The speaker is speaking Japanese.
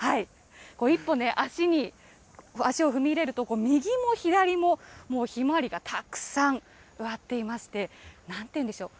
一歩足を踏み入れると、右も左ももうヒマワリがたくさん植わっていまして、なんていうんでしょう？